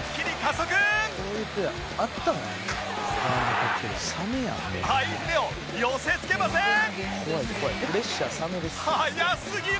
速すぎる！